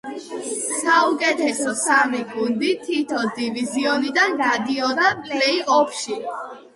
საუკეთესო სამი გუნდი თითო დივიზიონიდან გადიოდა პლეი-ოფში.